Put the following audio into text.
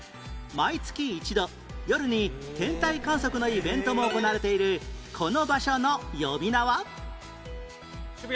毎月一度夜に天体観測のイベントも行われているこの場所の呼び名は？